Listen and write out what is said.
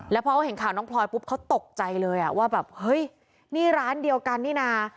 แล้วพอเขาเห็นข่าวน้องพลอยปุ๊บเขาตกใจเลยว่าแบบเฮ้ยนี่ร้านเดียวกันนี่นะ